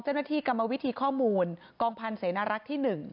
เจ้าหน้าที่กรรมวิธีข้อมูลกองพันธ์เสนารักษ์ที่๑